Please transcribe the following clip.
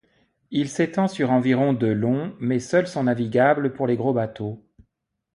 Il s'étend sur environ de long, mais seuls sont navigables pour les gros bateaux.